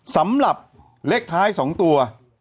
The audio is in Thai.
สำหรับเลขท้าย๒ตัว